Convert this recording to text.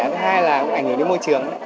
thứ hai là ảnh hưởng đến môi trường